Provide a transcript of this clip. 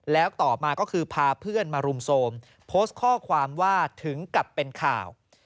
แล้วต่อมาก็คือพาเพื่อนมารุมโทรมโพสต์ข้อความว่าถึงกับเป็นข่าว